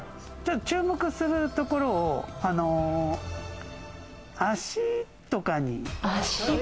注目するところ、足とかに。